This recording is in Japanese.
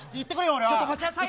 ちょっと待ちなさいよ。